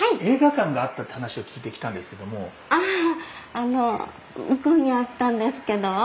あの向こうにあったんですけど。